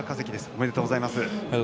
おめでとうございます。